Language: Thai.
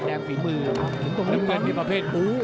แดงฝีมือน้ำเงินเป็นประเภทภู